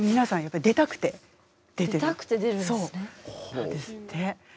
なんですって。